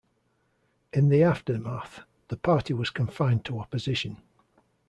In the aftermath the party was confined to opposition.